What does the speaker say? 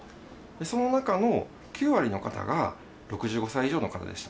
その中の９割の方が６５歳以上の方でした。